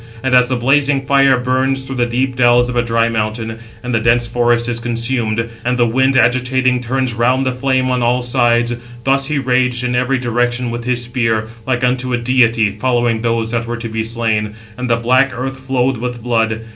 And as the blazing fire burns through the deep dells of a dry mountain, and the dense forest is consumed, and the wind agitating, turns round the flame on all sides; thus he raged in every direction with his spear, like unto a deity, following those that were to be slain; and the black earth flowed with blood.